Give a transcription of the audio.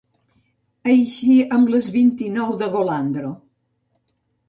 Eixir amb les vint-i-nou de Golondro.